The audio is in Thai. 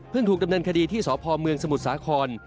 ถูกดำเนินคดีที่สพเมืองสมุทรสาคร